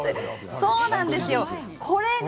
そうなんです。